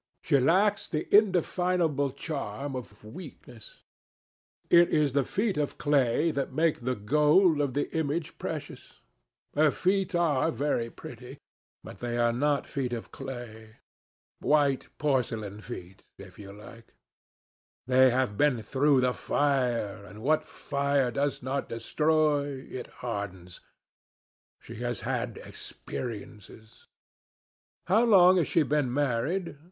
She lacks the indefinable charm of weakness. It is the feet of clay that make the gold of the image precious. Her feet are very pretty, but they are not feet of clay. White porcelain feet, if you like. They have been through the fire, and what fire does not destroy, it hardens. She has had experiences." "How long has she been married?"